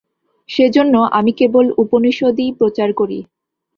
সেজন্য আমি কেবল উপনিষদই প্রচার করি।